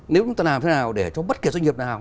nếu chúng ta làm thế nào để cho bất kỳ doanh nghiệp nào